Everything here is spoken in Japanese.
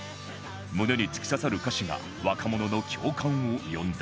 胸に突き刺さる歌詞が若者の共感を呼んだ